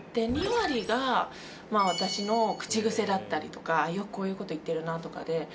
２割が私の口癖だったりとかよくこういう事言ってるなとかで。